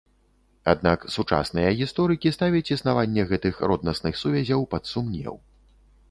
Аднак сучасныя гісторыкі ставяць існаванне гэтых роднасных сувязяў пад сумнеў.